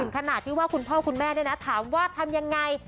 ขนาดที่ว่าคุณพ่อคุณแม่เนี่ยนะถามว่าทำยังไง